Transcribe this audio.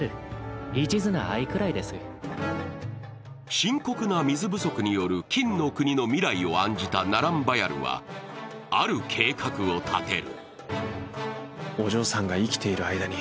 深刻な水不足による金の国の未来を案じたナランバヤルはある計画を立てる。